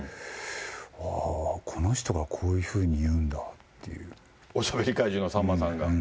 ああ、この人がこういうふうに言おしゃべり怪獣のさんまさんが。